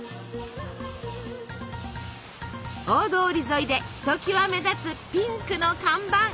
大通り沿いでひときわ目立つピンクの看板。